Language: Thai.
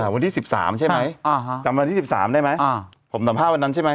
วันที่๑๓ใช่ไหมจำวันที่๑๓ได้ไหมผมสัมภาษณ์วันนั้นใช่ไหม